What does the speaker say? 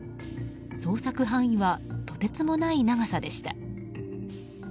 捜索範囲はとてつもない長さでした。